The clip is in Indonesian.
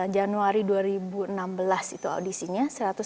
januari dua ribu enam belas itu audisinya